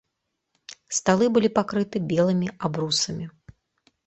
Сталы былі пакрыты белымі абрусамі.